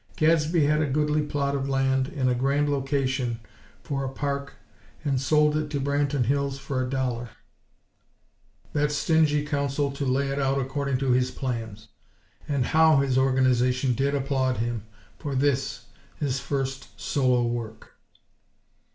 Gadsby had a goodly plot of land in a grand location for a park and sold it to Branton Hills for a dollar; that stingy Council to lay it out according to his plans. And how his Organization did applaud him for this, his first "solo work!"